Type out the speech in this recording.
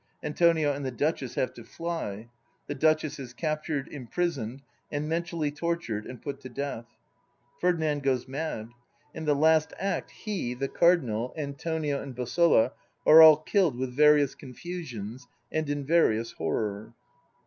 Antonio and the Duchess have to fly. The Duchess is captured, imprisoned and mentally tortured and put to death. Fer dinand goes mad. In the last Act he, the Cardinal, Antonio and la are all killed with various confusions and in various horror."